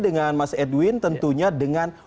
dengan mas edwin tentunya dengan